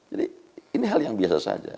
jadi ini hal yang biasa saja